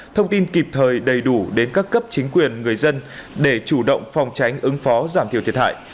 thông tin kịp thời đầy đủ đến các cấp chính quyền người dân để chủ động phòng tránh ứng phó giảm thiểu thiệt hại